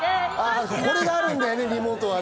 これがあるんだよね、リモートは。